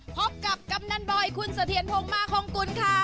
พบกับกำนันบอยคุณสะเทียนพงมาของกุลค่ะ